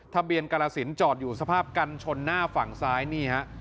ทะเบียนกาลสินจอดอยู่สภาพกันชนหน้าฝั่งซ้ายนี่ฮะ